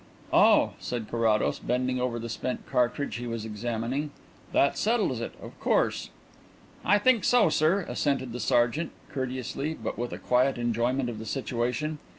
"Oh," said Carrados, bending over the spent cartridge he was examining, "that settles it, of course." "I think so, sir," assented the sergeant, courteously but with a quiet enjoyment of the situation.